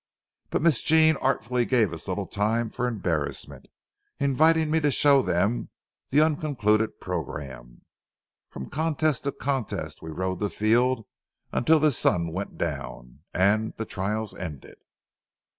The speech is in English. But Miss Jean artfully gave us little time for embarrassment, inviting me to show them the unconcluded programme. From contest to contest, we rode the field until the sun went down, and the trials ended.